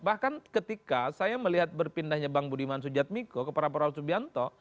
bahkan ketika saya melihat berpindahnya bang budiman sujatmiko ke prabowo subianto